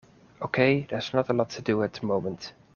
Okay, there is not a lot to do at the moment.